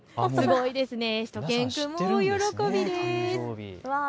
しゅと犬くんも大喜びです。